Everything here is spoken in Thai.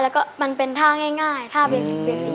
แล้วก็มันเป็นท่าง่ายท่าเบสิก